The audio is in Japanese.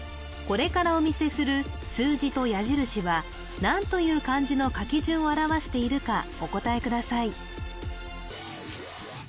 これからお見せする数字と矢印は何という漢字の書き順を表しているかお答えください